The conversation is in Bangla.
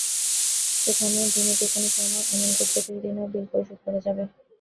এখানে দিনের যেকোনো সময়, এমনকি ছুটির দিনেও বিল পরিশোধ করা যাবে।